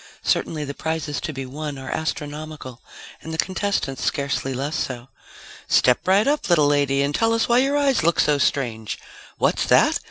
Certainly the prizes to be won are astronomical and the contestants scarcely less so. Step right up, little lady and tell us why your eyes look so strange! What's that?